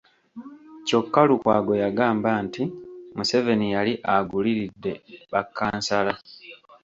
Kyokka Lukwago yagamba nti Museveni yali aguliridde bakkansala .